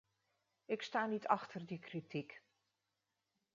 Ik sta niet achter die kritiek.